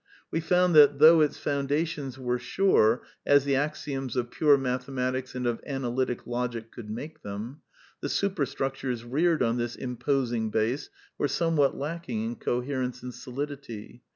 We found that, though its foundations were sure as the axioms of pure mathematics and of Analytic Logic could make them, the superstruc tures reared on this imposing base were somewhat lacking in coherence and solidity.